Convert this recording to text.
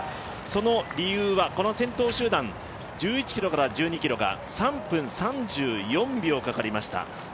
その理由は先頭集団１１ｋｍから１２ｋｍが３分３４秒かかりました。